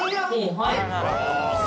はい。